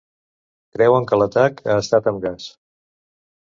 Creuen que l’atac ha estat amb gas.